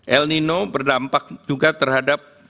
el nino berdampak juga terhadap